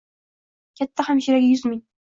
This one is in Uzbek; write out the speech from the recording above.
Katta hamshiraga yuz ming